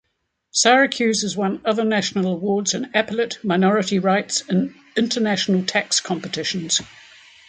Syracuse has won other national awards in appellate, minority rights, and international tax competitions.